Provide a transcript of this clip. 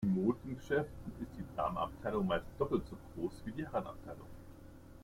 In Modegeschäften ist die Damenabteilung meist doppelt so groß wie die Herrenabteilung.